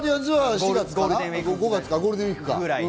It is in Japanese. ５月だ、ゴールデンウイークだ。